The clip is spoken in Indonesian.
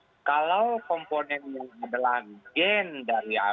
kemudian kita mempunyai mengembangkan kekebalan terhadap penyakit itu